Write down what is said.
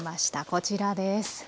こちらです。